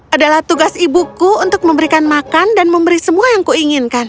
adalah tugas ibuku untuk memberikan makan dan memberi semua yang kuinginkan